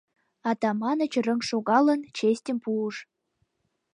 — Атаманыч, рыҥ шогалын, честьым пуыш.